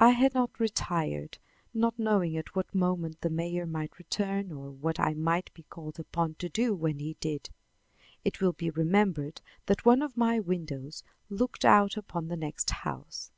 I had not retired, not knowing at what moment the mayor might return or what I might be called upon to do when he did. It will be remembered that one of my windows looked out upon the next house.